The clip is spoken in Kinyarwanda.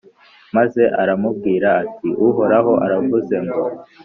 maze aramubwira ati «Uhoraho aravuze ngo ’